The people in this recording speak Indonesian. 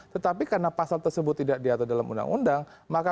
tetapi karena pasal tersebut tidak diatur dalam undang undang